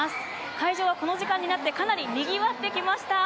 会場はこの時間になってかなりにぎわってきました。